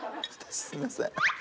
すいません。